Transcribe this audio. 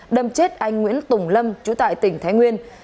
đâm chết anh nguyễn tùng lâm chú tại tỉnh thái nguyên